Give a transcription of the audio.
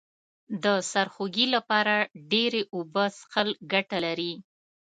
د سرخوږي لپاره ډیرې اوبه څښل گټه لري